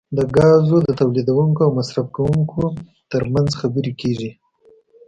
د ګازو د تولیدونکو او مصرفونکو ترمنځ خبرې کیږي